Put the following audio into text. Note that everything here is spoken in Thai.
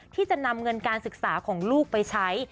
ที่จะนำเงินการศึกษาของลูกไปใช้